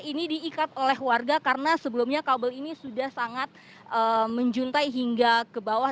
ini diikat oleh warga karena sebelumnya kabel ini sudah sangat menjuntai hingga ke bawah